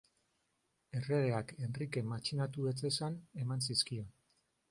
Erregeak Henrike matxinatu ez zezan, eman zizkion.